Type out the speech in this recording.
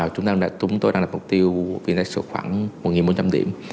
chúng tôi đang đặt mục tiêu vindex khoảng một bốn trăm linh điểm